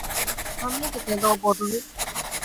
ހަމީދު ދެލޯބޮޑުވި